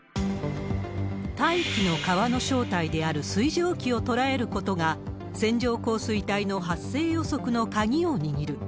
大気の川の正体である水蒸気を捉えることが、線状降水帯の発生予測の鍵を握る。